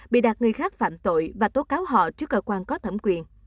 bị đặt người khác phạm tội và tố cáo họ trước cơ quan có thẩm quyền